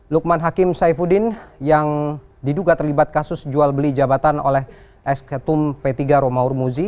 lukman hakim saifuddin yang diduga terlibat kasus jual beli jabatan oleh esketum p tiga romaur muzi